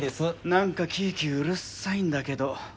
何かキーキーうるさいんだけど。